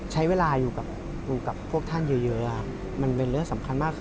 ใช้เวลาอยู่ดีเยอะอยู่ของพวกท่านมันเป็นเรื่องสำคัญมาก